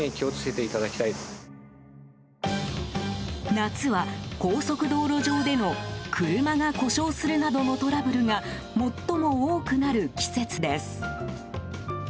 夏は、高速道路上での車が故障するなどのトラブルが最も多くなる季節です。